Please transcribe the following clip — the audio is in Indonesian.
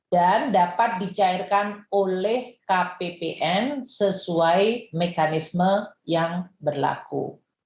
dan dapat dicairkan oleh kppn sesuai mekanisme yang berlaku